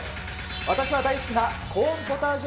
私は大好きなコーンポタージュ